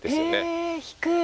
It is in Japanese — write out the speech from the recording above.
え低い。